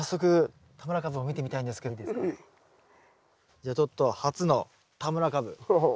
じゃあちょっと初の田村かぶ。